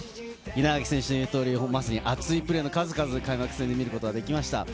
稲垣選手の言う通り、まさに熱いプレーの数々、開幕戦で見ることができました。